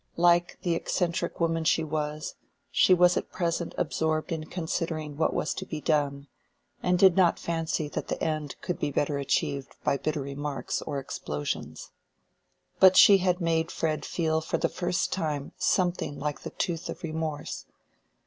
Like the eccentric woman she was, she was at present absorbed in considering what was to be done, and did not fancy that the end could be better achieved by bitter remarks or explosions. But she had made Fred feel for the first time something like the tooth of remorse.